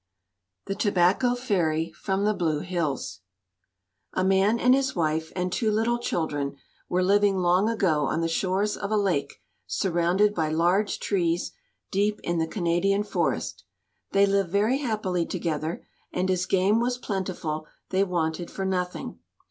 THE TOBACCO FAIRY FROM THE BLUE HILLS A man and his wife and two little children were living long ago on the shores of a lake surrounded by large trees, deep in the Canadian forest. They lived very happily together, and as game was plentiful, they wanted for nothing.